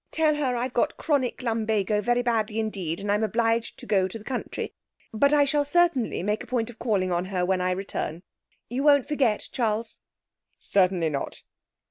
Tell her I've got chronic lumbago very badly indeed, and I'm obliged to go to the country, but I shall certainly make a point of calling on her when I return. You won't forget, Charles?' 'Certainly not.'